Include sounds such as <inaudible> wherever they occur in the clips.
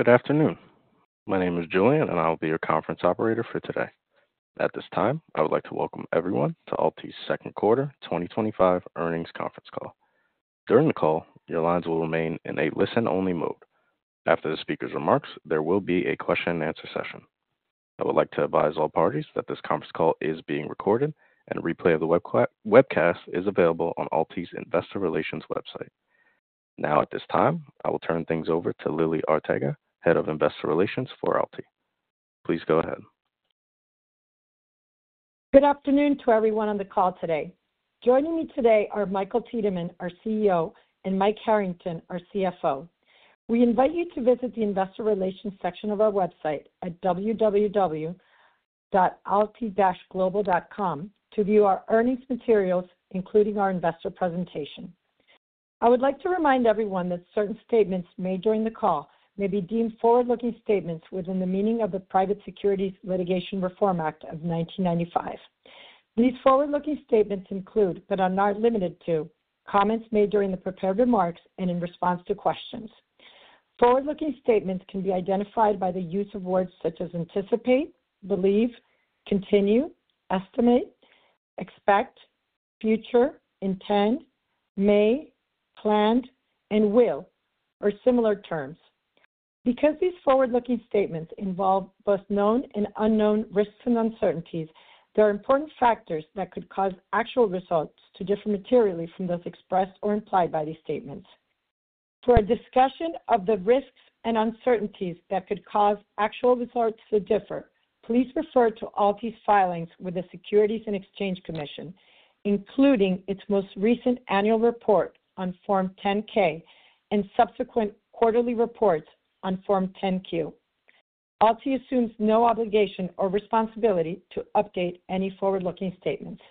Good afternoon. My name is Julian, and I'll be your conference operator for today. At this time, I would like to welcome everyone to AlTi Global's Second Quarter 2025 Earnings Conference Call. During the call, your lines will remain in a listen-only mode. After the speakers' remarks, there will be a question and answer session. I would like to advise all parties that this conference call is being recorded, and a replay of the webcast is available on AlTi's Investor Relations website. Now, at this time, I will turn things over to Lily Arteaga, Head of Investor Relations for AlTi Global. Please go ahead. Good afternoon to everyone on the call today. Joining me today are Michael Tiedemann, our CEO, and Mike Harrington, our CFO. We invite you to visit the Investor Relations section of our website at www.alti-global.com to view our earnings materials, including our investor presentation. I would like to remind everyone that certain statements made during the call may be deemed forward-looking statements within the meaning of the Private Securities Litigation Reform Act of 1995. These forward-looking statements include, but are not limited to, comments made during the prepared remarks and in response to questions. Forward-looking statements can be identified by the use of words such as anticipate, believe, continue, estimate, expect, future, intend, may, planned, and will, or similar terms. Because these forward-looking statements involve both known and unknown risks and uncertainties, there are important factors that could cause actual results to differ materially from those expressed or implied by these statements. For a discussion of the risks and uncertainties that could cause actual results to differ, please refer to AlTi's filings with the Securities and Exchange Commission, including its most recent annual report on Form 10-K and subsequent quarterly reports on Form 10-Q. AlTi assumes no obligation or responsibility to update any forward-looking statements.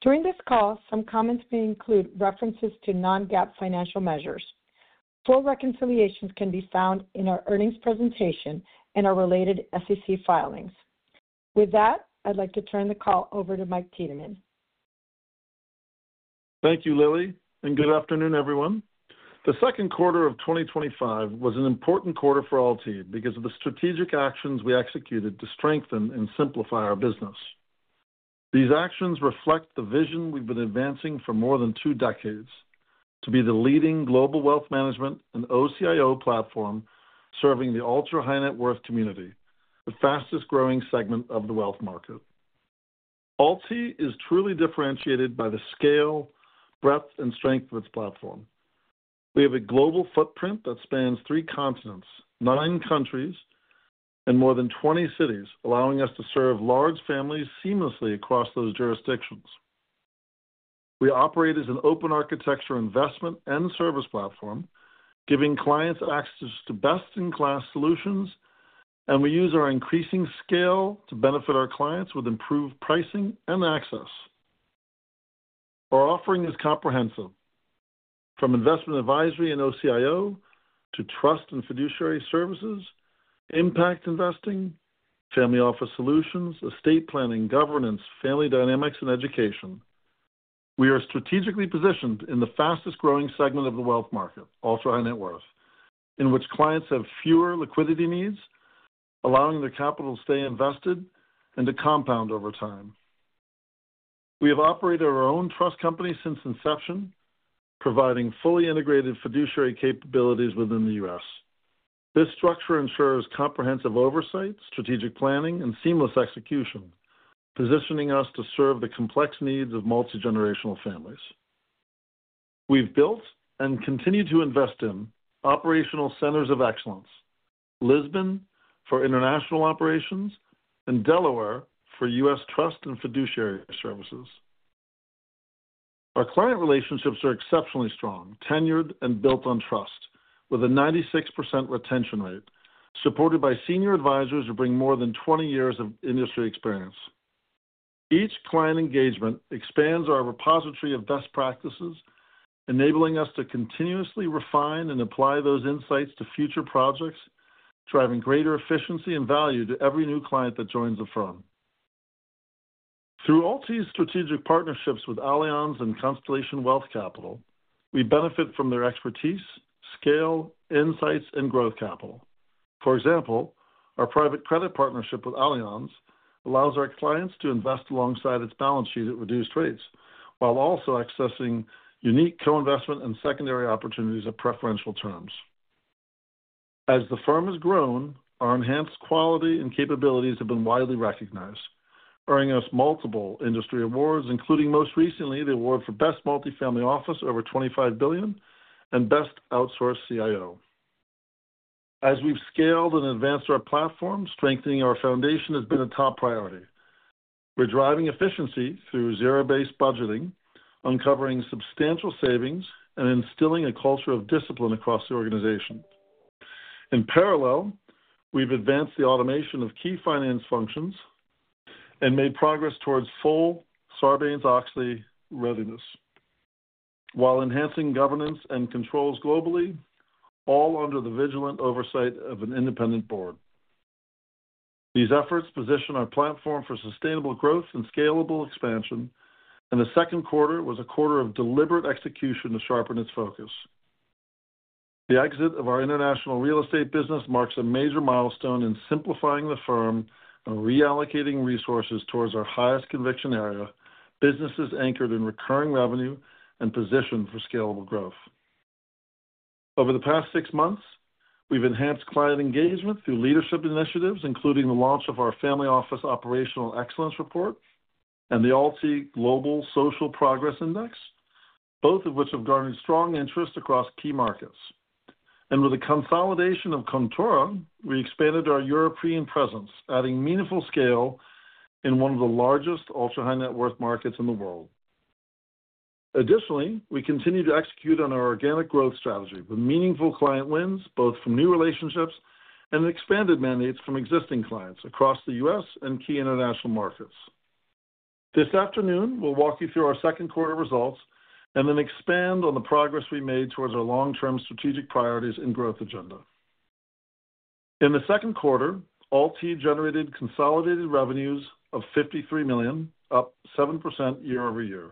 During this call, some comments may include references to non-GAAP financial measures. Full reconciliations can be found in our earnings presentation and our related SEC filings. With that, I'd like to turn the call over to Michael Tiedemann. Thank you, Lily, and good afternoon, everyone. The second quarter of 2025 was an important quarter for AlTi because of the strategic actions we executed to strengthen and simplify our business. These actions reflect the vision we've been advancing for more than two decades: to be the leading global wealth management and OCIO platform serving the ultra-high net worth community, the fastest growing segment of the wealth market. AlTi is truly differentiated by the scale, breadth, and strength of its platform. We have a global footprint that spans three continents, nine countries, and more than 20 cities, allowing us to serve large families seamlessly across those jurisdictions. We operate as an open architecture investment and service platform, giving clients access to best-in-class solutions, and we use our increasing scale to benefit our clients with improved pricing and access. Our offering is comprehensive, from investment advisory and OCIO to trust and fiduciary services, impact investing, family office solutions, estate planning, governance, family dynamics, and education. We are strategically positioned in the fastest growing segment of the wealth market, ultra-high net worth, in which clients have fewer liquidity needs, allowing their capital to stay invested and to compound over time. We have operated our own trust company since inception, providing fully integrated fiduciary capabilities within the U.S. This structure ensures comprehensive oversight, strategic planning, and seamless execution, positioning us to serve the complex needs of multigenerational families. We've built and continue to invest in operational centers of excellence: Lisbon for international operations and Delaware for U.S. trust and fiduciary services. Our client relationships are exceptionally strong, tenured, and built on trust, with a 96% retention rate, supported by Senior Advisors who bring more than 20 years of industry experience. Each client engagement expands our repository of best practices, enabling us to continuously refine and apply those insights to future projects, driving greater efficiency and value to every new client that joins the firm. Through AlTi's strategic partnerships with Allianz and Constellation Wealth Capital, we benefit from their expertise, scale, insights, and growth capital. For example, our private credit partnership with Allianz allows our clients to invest alongside its balance sheet at reduced rates, while also accessing unique co-investment and secondary opportunities at preferential terms. As the firm has grown, our enhanced quality and capabilities have been widely recognized, earning us multiple industry awards, including most recently the award for Best Multifamily Office over $25 billion and Best Outsourced CIO. As we've scaled and advanced our platform, strengthening our foundation has been a top priority. We're driving efficiency through zero-based budgeting, uncovering substantial savings, and instilling a culture of discipline across the organization. In parallel, we've advanced the automation of key finance functions and made progress towards full Sarbanes-Oxley readiness, while enhancing governance and controls globally, all under the vigilant oversight of an independent board. These efforts position our platform for sustainable growth and scalable expansion, and the second quarter was a quarter of deliberate execution to sharpen its focus. The exit of our International Real Estate business marks a major milestone in simplifying the firm and reallocating resources towards our highest conviction area: businesses anchored in recurring revenue and positioned for scalable growth. Over the past six months, we've enhanced client engagement through leadership initiatives, including the launch of our Family Office Operational Excellence Report and the AlTi Global Social Progress Index, both of which have garnered strong interest across key markets. With the consolidation of Kontora, we expanded our European presence, adding meaningful scale in one of the largest ultra-high net worth markets in the world. Additionally, we continue to execute on our organic growth strategy with meaningful client wins, both from new relationships and expanded mandates from existing clients across the U.S. and key international markets. This afternoon, we'll walk you through our second quarter results and then expand on the progress we made towards our long-term strategic priorities and growth agenda. In the second quarter, AlTi generated consolidated revenues of $53 million, up 7% year-over-year.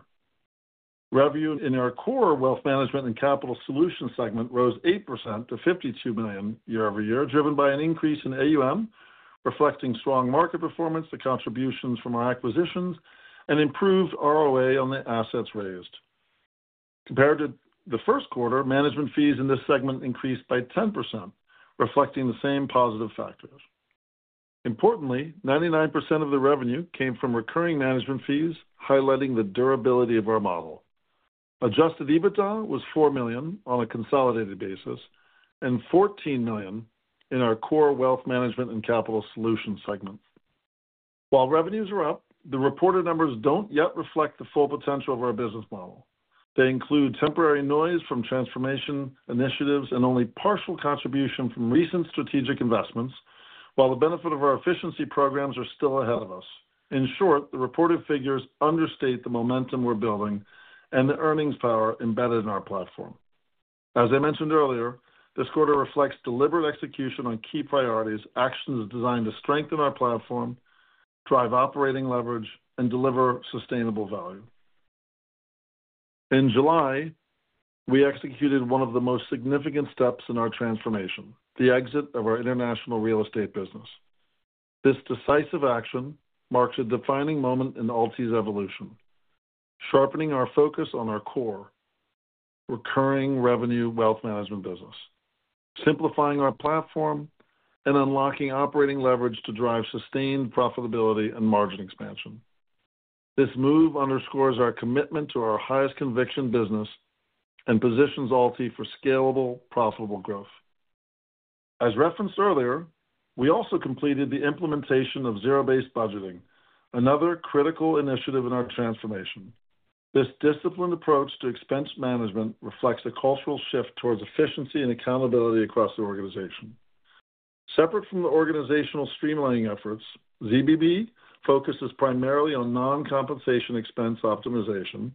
Revenue in our core wealth management and capital solutions segment rose 8% to $52 million year-over-year, driven by an increase in AUM, reflecting strong market performance, the contributions from our acquisitions, and improved ROA on the assets raised. Compared to the first quarter, management fees in this segment increased by 10%, reflecting the same positive factors. Importantly, 99% of the revenue came from recurring management fees, highlighting the durability of our model. Adjusted EBITDA was $4 million on a consolidated basis and $14 million in our core wealth management and capital solutions segments. While revenues are up, the reported numbers don't yet reflect the full potential of our business model. They include temporary noise from transformation initiatives and only partial contribution from recent strategic investments, while the benefit of our efficiency programs are still ahead of us. In short, the reported figures understate the momentum we're building and the earnings power embedded in our platform. As I mentioned earlier, this quarter reflects deliberate execution on key priorities, actions designed to strengthen our platform, drive operating leverage, and deliver sustainable value. In July, we executed one of the most significant steps in our transformation: the exit of our International Real Estate business. This decisive action marks a defining moment in AlTi's evolution, sharpening our focus on our core recurring revenue wealth management business, simplifying our platform, and unlocking operating leverage to drive sustained profitability and margin expansion. This move underscores our commitment to our highest conviction business and positions AlTi for scalable, profitable growth. As referenced earlier, we also completed the implementation of zero-based budgeting, another critical initiative in our transformation. This disciplined approach to expense management reflects a cultural shift towards efficiency and accountability across the organization. Separate from the organizational streamlining efforts, ZBB focuses primarily on non-compensation expense optimization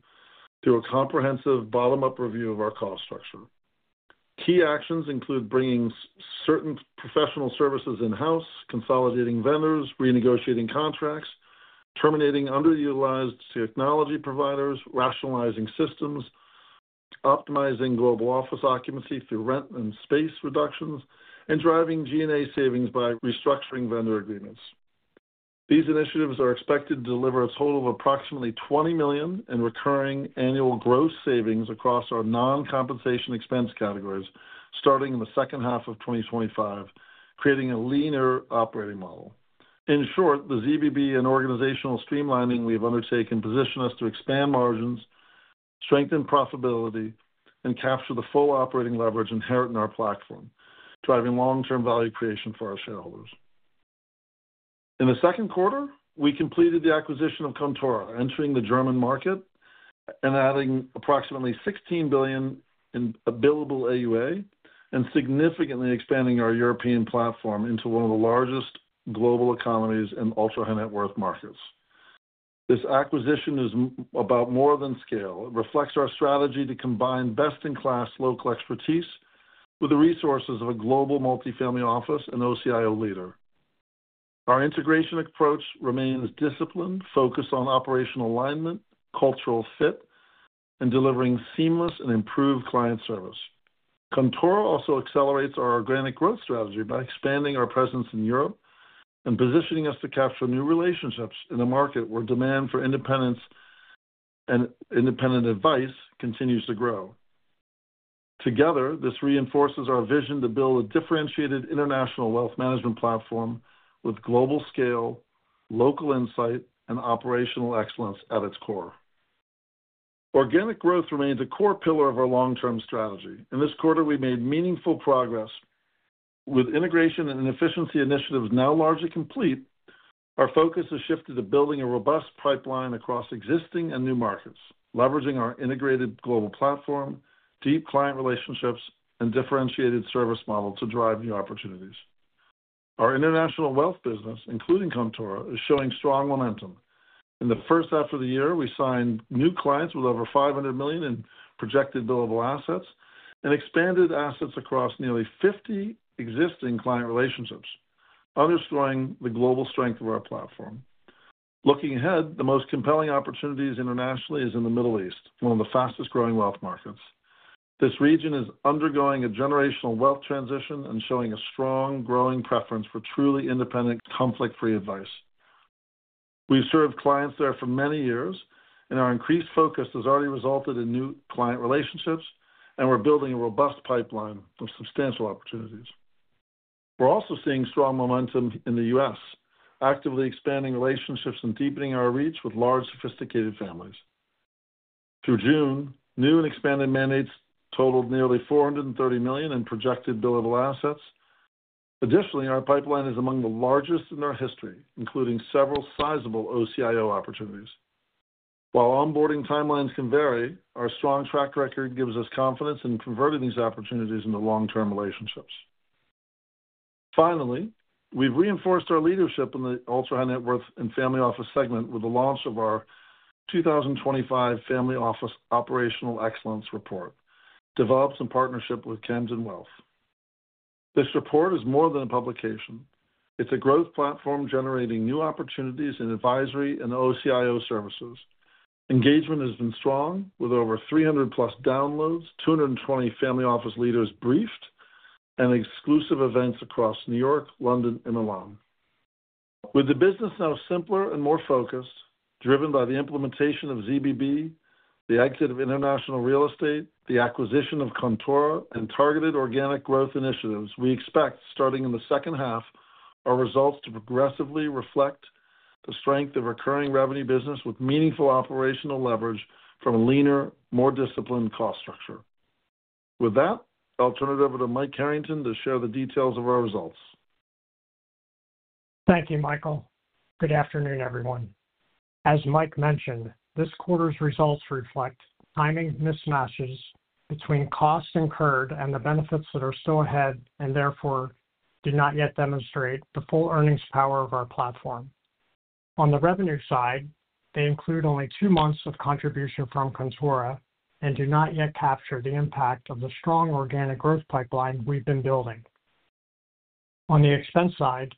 through a comprehensive bottom-up review of our cost structure. Key actions include bringing certain professional services in-house, consolidating vendors, renegotiating contracts, terminating underutilized technology providers, rationalizing systems, optimizing global office occupancy through rent and space reductions, and driving G&A savings by restructuring vendor agreements. These initiatives are expected to deliver a total of approximately $20 million in recurring annual gross savings across our non-compensation expense categories, starting in the second half of 2025, creating a leaner operating model. In short, the ZBB and organizational streamlining we have undertaken position us to expand margins, strengthen profitability, and capture the full operating leverage inherent in our platform, driving long-term value creation for our shareholders. In the second quarter, we completed the acquisition of Kontora, entering the German market and adding approximately $16 billion in billable AUA and significantly expanding our European platform into one of the largest global economies and ultra-high net worth markets. This acquisition is about more than scale, it reflects our strategy to combine best-in-class local expertise with the resources of a global multifamily office and OCIO leader. Our integration approach remains disciplined, focused on operational alignment, cultural fit, and delivering seamless and improved client service. Kontora also accelerates our organic growth strategy by expanding our presence in Europe and positioning us to capture new relationships in a market where demand for independence and independent advice continues to grow. Together, this reinforces our vision to build a differentiated international wealth management platform with global scale, local insight, and operational excellence at its core. Organic growth remains a core pillar of our long-term strategy. In this quarter, we made meaningful progress with integration and efficiency initiatives now largely complete. Our focus has shifted to building a robust pipeline across existing and new markets, leveraging our integrated global platform, deep client relationships, and differentiated service models to drive new opportunities. Our international wealth business, including Kontora, is showing strong momentum. In the first half of the year, we signed new clients with over $500 million in projected billable assets and expanded assets across nearly 50 existing client relationships, underscoring the global strength of our platform. Looking ahead, the most compelling opportunities internationally are in the Middle East, one of the fastest growing wealth markets. This region is undergoing a generational wealth transition and showing a strong growing preference for truly independent, conflict-free advice. We've served clients there for many years, and our increased focus has already resulted in new client relationships, and we're building a robust pipeline with substantial opportunities. We're also seeing strong momentum in the U.S., actively expanding relationships and deepening our reach with large sophisticated families. Through June, new and expanded mandates totaled nearly $430 million in projected billable assets. Additionally, our pipeline is among the largest in our history, including several sizable OCIO opportunities. While onboarding timelines can vary, our strong track record gives us confidence in converting these opportunities into long-term relationships. Finally, we've reinforced our leadership in the ultra-high net worth and family office segment with the launch of our 2025 Family Office Operational Excellence Report, developed in partnership with Camden Wealth. This report is more than a publication, it's a growth platform generating new opportunities in advisory and OCIO services. Engagement has been strong, with over 300 downloads, 220 family office leaders briefed, and exclusive events across New York, London, and Milan. With the business now simpler and more focused, driven by the implementation of ZBB, the exit of the International Real Estate, the acquisition of Kontora, and targeted organic growth initiatives, we expect, starting in the second half, our results to progressively reflect the strength of recurring revenue business with meaningful operational leverage from a leaner, more disciplined cost structure. With that, I'll turn it over to Mike Harrington to share the details of our results. Thank you, Michael. Good afternoon, everyone. As Mike mentioned, this quarter's results reflect timing mismatches between costs incurred and the benefits that are still ahead and therefore do not yet demonstrate the full earnings power of our platform. On the revenue side, they include only two months of contribution from Contora and do not yet capture the impact of the strong organic growth pipeline we've been building. On the expense side,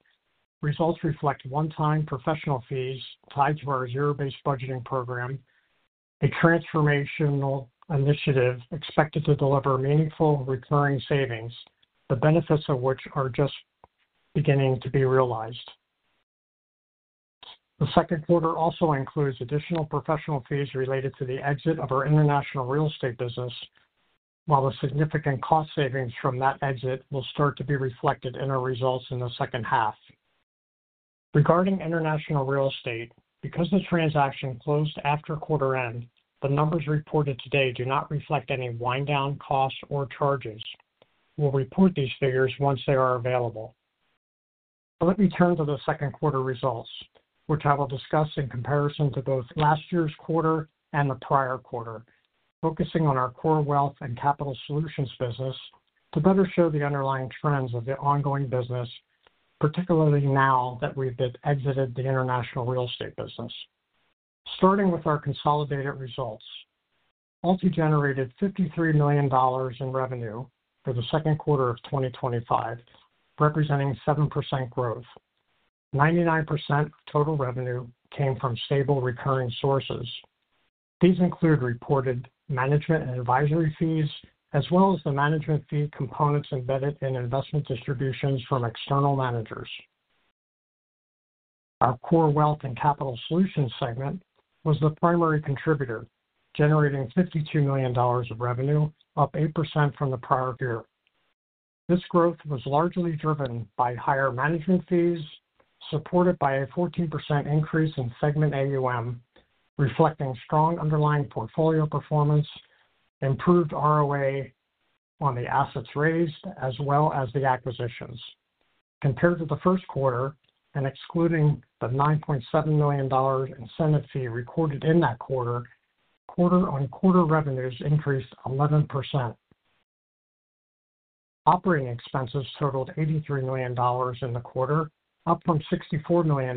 results reflect one-time professional fees tied to our zero-based budgeting program, a transformational initiative expected to deliver meaningful recurring savings, the benefits of which are just beginning to be realized. The second quarter also includes additional professional fees related to the exit of our International Real Estate business, while the significant cost savings from that exit will start to be reflected in our results in the second half. Regarding International Real Estate, because the transaction closed after quarter end, the numbers reported today do not reflect any wind-down costs or charges. We'll report these figures once they are available. Let me turn to the second quarter results, which I will discuss in comparison to both last year's quarter and the prior quarter, focusing on our core wealth and capital solutions business to better show the underlying trends of the ongoing business, particularly now that we've exited the International Real Estate business. Starting with our consolidated results, AlTi generated $53 million in revenue for the second quarter of 2025, representing 7% growth. 99% of total revenue came from stable recurring sources. These include reported management and advisory fees, as well as the management fee components embedded in investment distributions from external managers. Our core wealth and capital solutions segment was the primary contributor, generating $52 million of revenue, up 8% from the prior year. This growth was largely driven by higher management fees, supported by a 14% increase in segment AUM, reflecting strong underlying portfolio performance, improved ROA on the assets raised, as well as the acquisitions. Compared to the first quarter, and excluding the $9.7 million incentive fee recorded in that quarter, quarter-on-quarter revenues increased 11%. Operating expenses totaled $83 million in the quarter, up from $64 million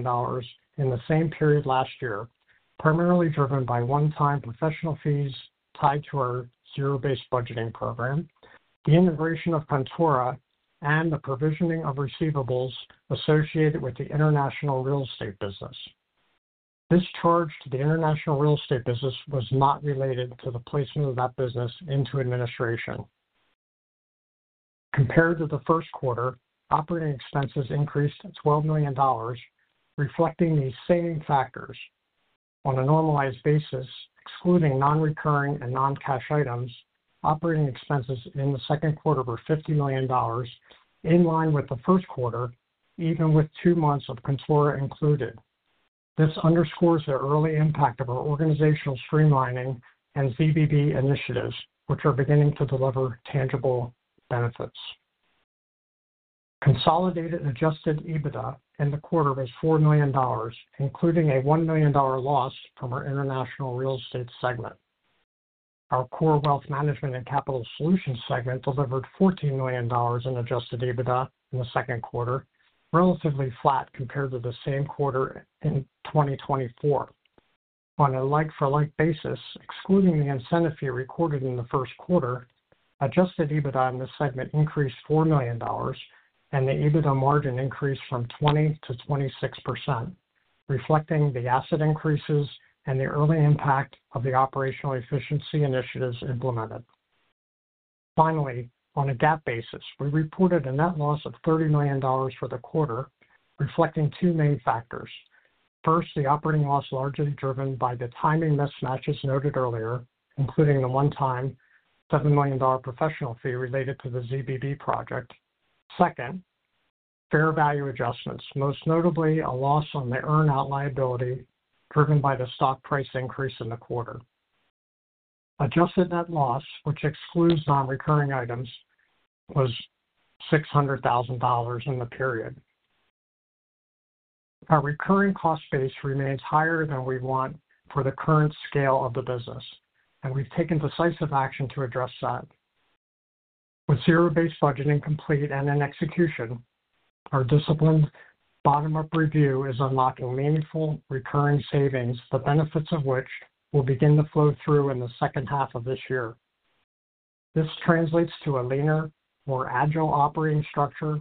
in the same period last year, primarily driven by one-time professional fees tied to our zero-based budgeting program, the integration of Kontora, and the provisioning of receivables associated with the International Real Estate business. This charge to the International Real Estate business was not related to the placement of that business into administration. Compared to the first quarter, operating expenses increased $12 million, reflecting the same factors. On a normalized basis, excluding non-recurring and non-cash items, operating expenses in the second quarter were $50 million, in line with the first quarter, even with two months of Kontora included. This underscores the early impact of our organizational streamlining and ZBB initiatives, which are beginning to deliver tangible benefits. Consolidated adjusted EBITDA in the quarter was $4 million, including a $1 million loss from our International Real Estate segment. Our core wealth management and capital solutions segment delivered $14 million in adjusted EBITDA in the second quarter, relatively flat compared to the same quarter in 2024. On a leg-for-leg basis, excluding the incentive fee recorded in the first quarter, adjusted EBITDA in this segment increased $4 million, and the EBITDA margin increased from 20% to 26%, reflecting the asset increases and the early impact of the operational efficiency initiatives implemented. Finally, on a GAAP basis, we reported a net loss of $30 million for the quarter, reflecting two main factors. First, the operating loss largely driven by the timing mismatches noted earlier, including the one-time $7 million professional fee related to the ZBB project. Second, fair value adjustments, most notably a loss on the earnout liability driven by the stock price increase in the quarter. Adjusted net loss, which excludes non-recurring items, was $600,000 in the period. Our recurring cost base remains higher than we want for the current scale of the business, and we've taken decisive action to address that. With zero-based budgeting complete and in execution, our disciplined bottom-up review is unlocking meaningful recurring savings, the benefits of which will begin to flow through in the second half of this year. This translates to a leaner, more agile operating structure,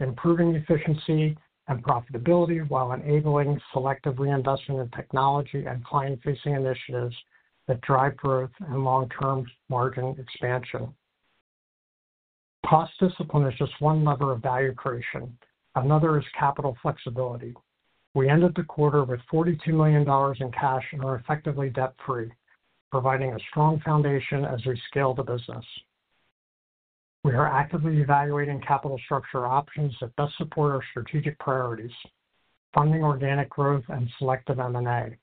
improving efficiency and profitability while enabling selective reinvestment in technology and client-facing initiatives that drive growth and long-term margin expansion. Cost discipline is just one lever of value creation. Another is capital flexibility. We ended the quarter with $42 million in cash and are effectively debt-free, providing a strong foundation as we scale the business. We are actively evaluating capital structure options that best support our strategic priorities, funding organic growth and selective M&A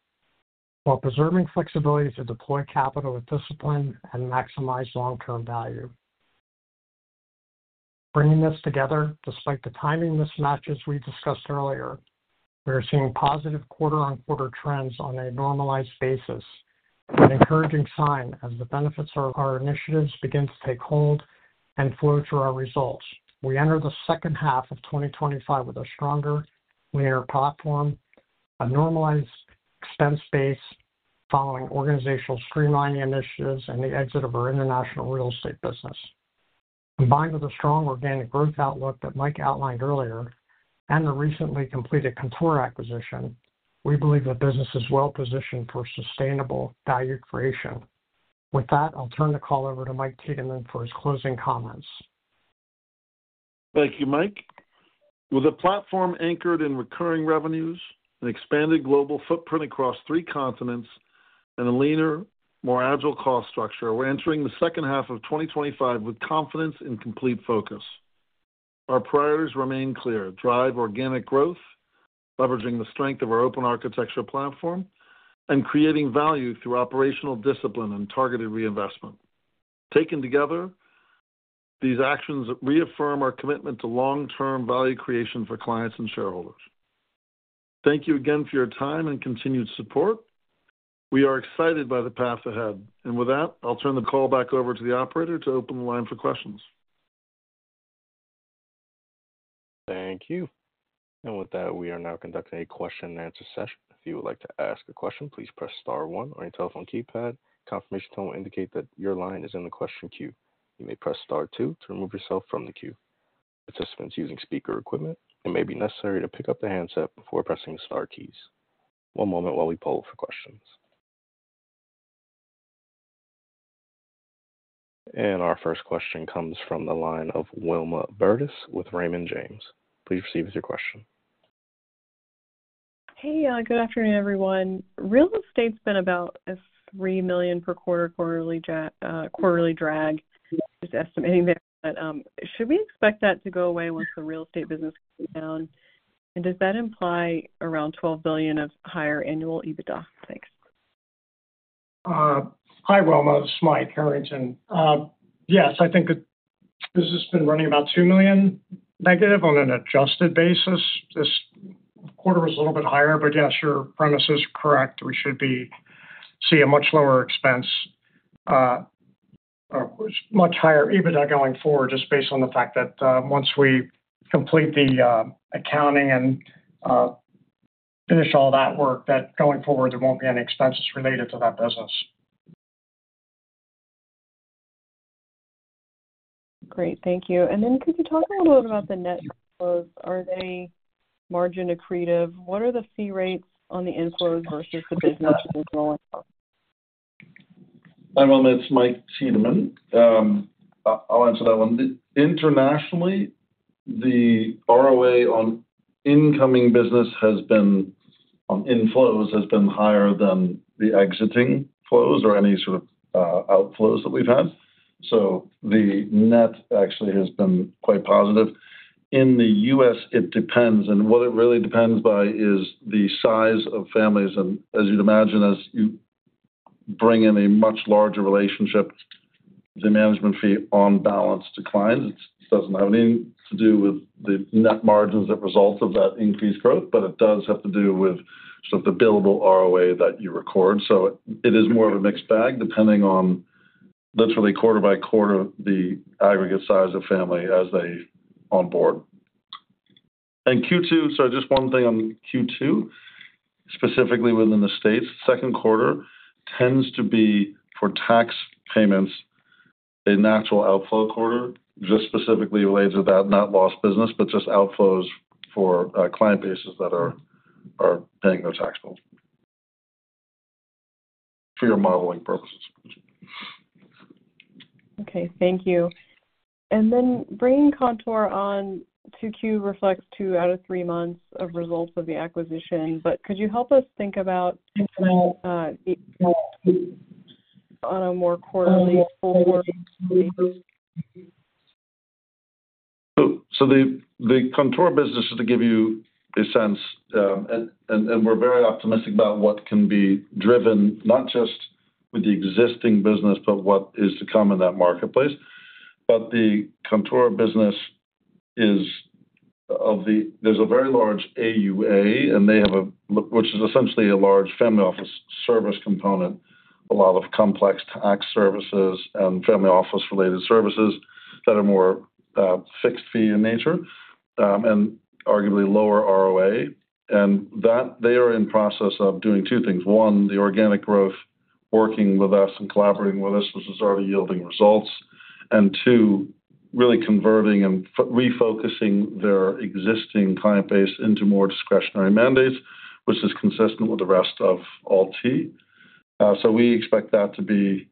while preserving flexibility to deploy capital with discipline and maximize long-term value. Bringing this together, despite the timing mismatches we discussed earlier, we are seeing positive quarter-on-quarter trends on a normalized basis, with an encouraging sign as the benefits of our initiatives begin to take hold and flow through our results. We enter the second half of 2025 with a stronger, leaner platform, a normalized expense base following organizational streamlining initiatives and the exit of our International Real Estate business. Combined with a strong organic growth outlook that Mike outlined earlier and the recently completed Kontora acquisition, we believe the business is well positioned for sustainable value creation. With that, I'll turn the call over to Michael Tiedemann for his closing comments. Thank you, Mike. With a platform anchored in recurring revenues, an expanded global footprint across three continents, and a leaner, more agile cost structure, we're entering the second half of 2025 with confidence and complete focus. Our priorities remain clear: drive organic growth, leveraging the strength of our open architecture platform, and creating value through operational discipline and targeted reinvestment. Taken together, these actions reaffirm our commitment to long-term value creation for clients and shareholders. Thank you again for your time and continued support. We are excited by the path ahead. I'll turn the call back over to the operator to open the line for questions. Thank you. With that, we are now conducting a question-and-answer session. If you would like to ask a question, please press star one on your telephone keypad. A confirmation tone will indicate that your line is in the question queue. You may press star two to remove yourself from the queue. Participants using speaker equipment, it may be necessary to pick up the handset before pressing star keys. One moment while we poll for questions. Our first question comes from the line of Wilma Burdis with Raymond James. Please proceed with your question. Hey, good afternoon, everyone. Real estate's been about a $3 million per quarter quarterly drag, just estimating that. Should we expect that to go away once the real estate business goes down? Does that imply around $12 million of higher annual EBITDA? Thanks. Hi, Wilma. This is Mike Harrington. Yes, I think this has been running about $2 million negative on an adjusted basis. This quarter was a little bit higher, but yes, your premise is correct. We should see a much lower expense, much higher EBITDA going forward, just based on the fact that once we complete the accounting and finish all that work, going forward there won't be any expenses related to that business. Great, thank you. Could you talk a little bit about the net inflows? Are they margin accretive? What are the fee rates on the inflows versus the business? My name is Michael Tiedemann. I'll answer that one. Internationally, the ROA on incoming business has been on inflows has been higher than the exiting flows or any sort of outflows that we've had. The net actually has been quite positive. In the U.S., it depends, and what it really depends by is the size of families. As you'd imagine, as you bring in a much larger relationship, the management fee on balance declines. It doesn't have anything to do with the net margins that result of that increased growth, but it does have to do with sort of the billable ROA that you record. It is more of a mixed bag depending on literally quarter by quarter the aggregate size of family as they onboard. Q2, sorry, just one thing on Q2, specifically within the states, the second quarter tends to be for tax payments, a natural outflow quarter, just specifically related to that net loss business, but just outflows for client bases that are paying their tax bill for your modeling purposes. Okay. Thank you. Bringing Kontora on, Q2 reflects two out of three months of results of the acquisition, but could you help us think about on a more quarterly? <audio distortion> The Kontora business, just to give you a sense, we're very optimistic about what can be driven, not just with the existing business, but what is to come in that marketplace. The Contora business is, there's a very large AUA, and they have a, which is essentially a large family office service component, a lot of complex tax services and family office-related services that are more fixed fee in nature, and arguably lower ROA. They are in the process of doing two things. One, the organic growth, working with us and collaborating with us, which is already yielding results. Two, really converting and refocusing their existing client base into more discretionary mandates, which is consistent with the rest of AlTi. We expect that to be,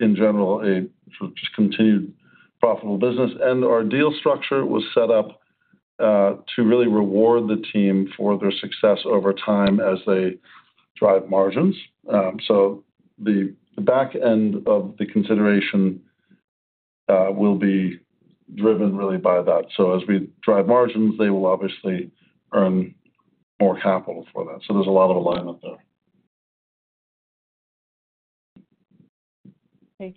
in general, a sort of just continued profitable business. Our deal structure was set up to really reward the team for their success over time as they drive margins. The back end of the consideration will be driven really by that. As we drive margins, they will obviously earn more capital for that. There's a lot of alignment there.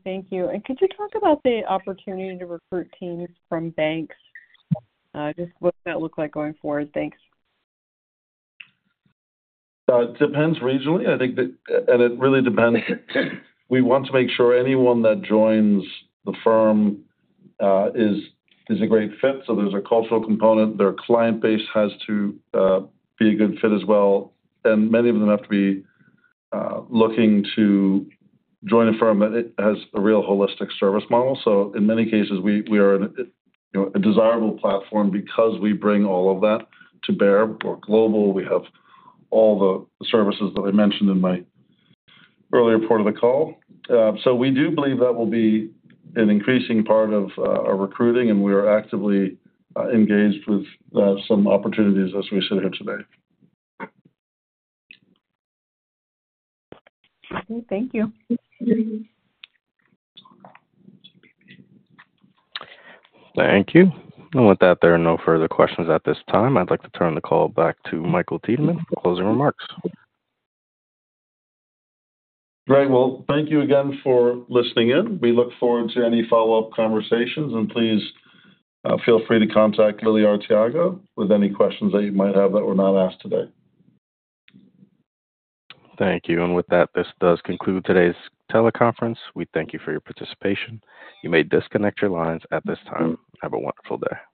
Thank you. Could you talk about the opportunity to recruit teams from banks? Just what does that look like going forward? Thanks. It depends regionally. I think that it really depends. We want to make sure anyone that joins the firm is a great fit. There is a cultural component. Their client base has to be a good fit as well. Many of them have to be looking to join a firm that has a real holistic service model. In many cases, we are a desirable platform because we bring all of that to bear. We are global. We have all the services that I mentioned in my earlier part of the call. We do believe that will be an increasing part of our recruiting, and we are actively engaged with some opportunities as we sit here today. Okay, thank you. Thank you. With that, there are no further questions at this time. I'd like to turn the call back to Michael Tiedemann for closing remarks. Great. Thank you again for listening in. We look forward to any follow-up conversations, and please feel free to contact Lily Arteaga with any questions that you might have that were not asked today. Thank you. With that, this does conclude today's teleconference. We thank you for your participation. You may disconnect your lines at this time. Have a wonderful day.